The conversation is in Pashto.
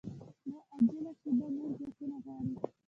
دا عاجله شېبه نور ځواکونه غواړي